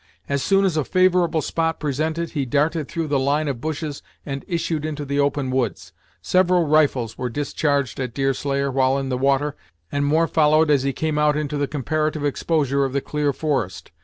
As soon as a favorable spot presented, he darted through the line of bushes and issued into the open woods. Several rifles were discharged at Deerslayer while in the water, and more followed as he came out into the comparative exposure of the clear forest.